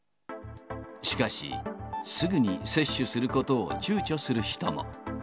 しかし、すぐに接種することをちゅうちょする人も。